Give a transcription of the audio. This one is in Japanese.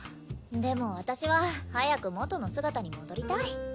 でも私は早く元の姿に戻りたい。